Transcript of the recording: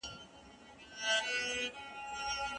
هغه څوک چي نورو ته څه ورکوي تر ټولو سخي انسان دی.